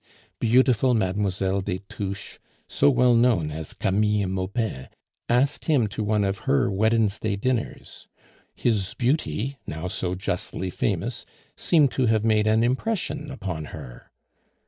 Beautiful Mlle. des Touches, so well known as "Camille Maupin," asked him to one of her Wednesday dinners; his beauty, now so justly famous, seemed to have made an impression upon her.